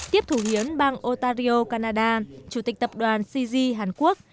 tiếp thủ hiến bang otario canada chủ tịch tập đoàn siji hàn quốc